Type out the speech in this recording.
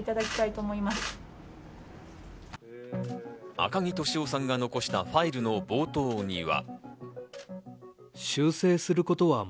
赤木俊夫さんが残したファイルの冒頭には。